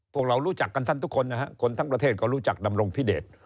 พวกเรารู้จักกันท่านทุกคนนะฮะคนทั้งประเทศก็รู้จักดำรงพิเดช